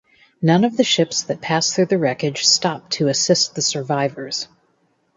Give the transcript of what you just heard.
None of the ships that passed through the wreckage stopped to assist the survivors.